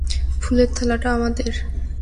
ফুলের থালাটা আমাদের।